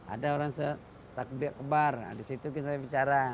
ada orang setakbir ke bar di situ kita bicara